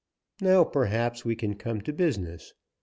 "Now, perhaps we can come to business.